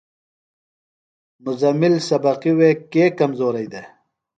مزمل سبقیۡ وے کے کمزورئی دےۡ؟